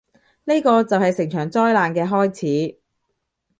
呢個就係成場災難嘅開始